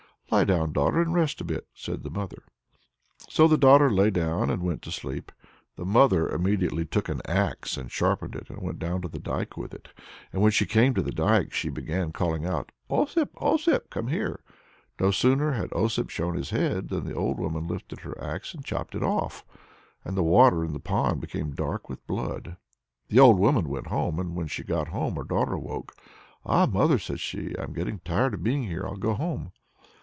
"Lie down, daughter, and rest a bit," said the mother. So the daughter lay down and went to sleep. The mother immediately took an axe and sharpened it, and went down to the dike with it. And when she came to the dike, she began calling out, "Osip, Osip, come here!" No sooner had Osip shown his head than the old woman lifted her axe and chopped it off. And the water in the pond became dark with blood. The old woman went home. And when she got home her daughter awoke. "Ah! mother," says she, "I'm getting tired of being here; I'll go home."